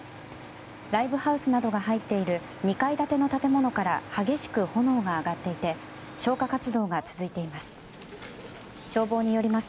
ライブハウスなどが入っている２階建ての建物から激しく炎が上がっていて消火活動が続いています。